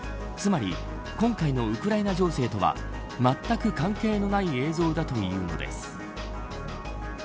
つまり今回のウクライナ情勢とはまったく関係のない映像だというのです。